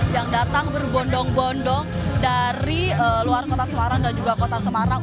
yang datang berbondong bondong dari luar kota semarang dan juga kota semarang